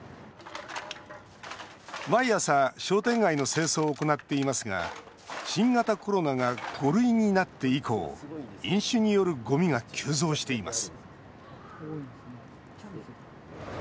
毎朝商店街の清掃を行っていますが新型コロナが５類になって以降飲酒によるゴミが急増しています